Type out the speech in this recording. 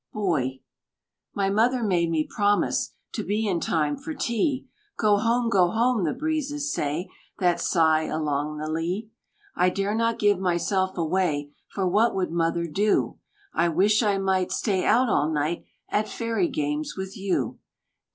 BOY. "My mother made me promise To be in time for tea, 'Go home! go home!' the breezes say, That sigh along the lea. I dare not give myself away; For what would Mother do? I wish I might Stay out all night At fairy games with you.